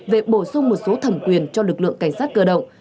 về bổ sung một số thẩm quyền cho lực lượng cảnh sát cơ động